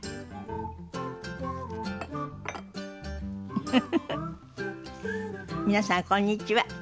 フフフフ皆さんこんにちは。